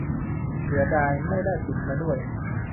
เสียดายไม่ได้ติดมาด้วย